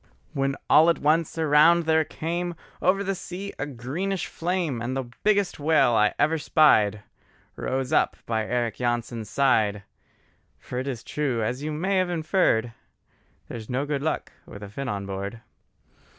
When all at once around there came Over the sea a greenish flame, And the biggest whale I ever spied, Rose up by Eric Jansen's side: For it is true, as you may've inferred, There's no good luck with a Finn on board.